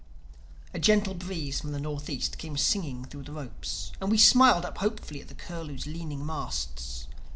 A gentle breeze from the Northeast came singing through the ropes; and we smiled up hopefully at the Curlew's leaning masts.